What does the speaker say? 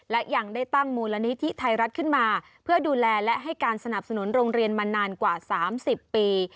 และยังได้ตั้งมูลนิธิไทยรัฐขึ้นมาเพื่อดูแลและให้การสนับสนุนโรงเรียนมานานกว่า๓๐ปี